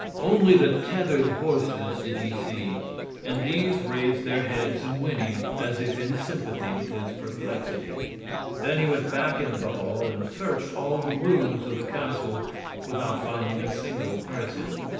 Only the tethered horses did he see, and these raised their heads and whinnied as if in sympathy with his perplexity. Then he went back into the hall and searched all the rooms of the castle without finding a single person.